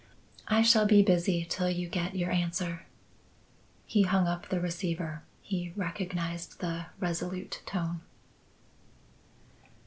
"I shall be busy till you get your answer." He hung up the receiver. He recognized the resolute tone.